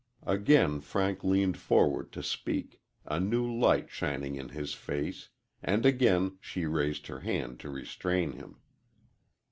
Again Frank leaned forward to speak, a new light shining in his face, and again she raised her hand to restrain him.